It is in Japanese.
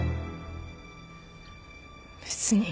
別に。